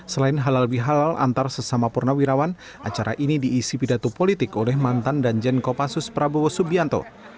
selain halal bihalal antar sesama purnawirawan acara ini diisi pidato politik oleh mantan danjen kopassus prabowo subianto